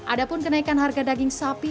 ada pun kenaikan harga daging sapi